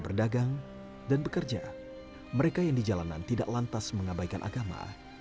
berdagang dan bekerja mereka yang di jalanan tidak lantas mengabaikan agama